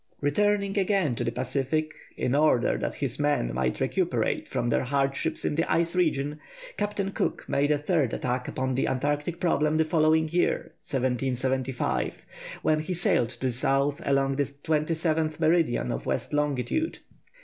Returning again to the Pacific in order that his men might recuperate after their hardships in the ice region, Captain Cook made a third attack upon the Antarctic problem the following year 1775 when he sailed to the south along the 27th meridian of west longitude.